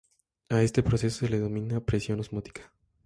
A este proceso se le denomina presión osmótica.